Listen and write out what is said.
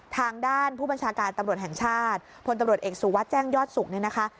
ทางด้านผู้บัญชการตำรวจแห่งชาติพตำรวจเอกสู่วัดแจ้งยอดศุกร์